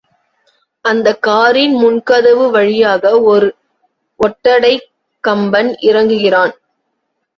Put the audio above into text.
அந்தக் காரின் முன்கதவு வழியாக ஒரு ஒட்டடைக் கம்பன் இறங்குகிறான்.